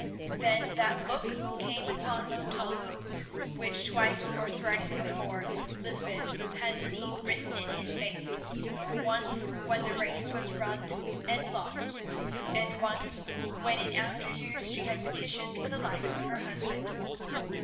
Then that look came upon Montalvo which twice or thrice before Lysbeth has seen written in his face—once when the race was run and lost, and once when in after years she had petitioned for the life of her husband.